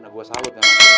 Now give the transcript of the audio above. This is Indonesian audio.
gue salut ya